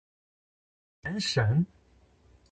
原神